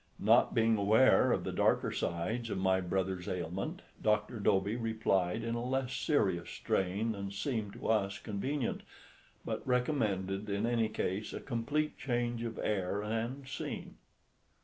Not being aware of the darker sides of my brother's ailment, Dr. Dobie replied in a less serious strain than seemed to us convenient, but recommended in any case a complete change of air and scene.